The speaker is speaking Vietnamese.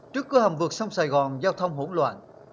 trước cửa hầm vượt sông sài gòn giao thông hỗn loạn